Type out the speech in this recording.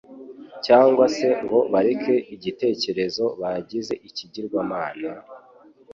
cyangwa se ngo bareke igitekerezo bagize ikigirwamana,